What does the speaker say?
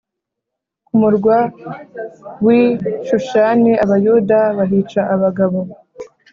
Ku murwa w i Shushani Abayuda bahica abagabo